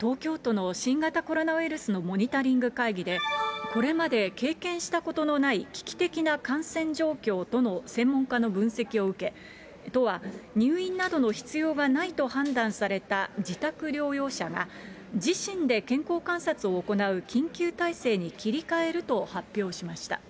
東京都の新型コロナウイルスのモニタリング会議で、これまで経験したことのない危機的な感染状況との専門家の分析を受け、都は入院などの必要がないと判断された自宅療養者が自身で健康観察を行う緊急体制に切り替えると発表しました。